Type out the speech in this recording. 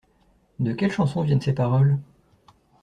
De quelle chanson viennent ces paroles?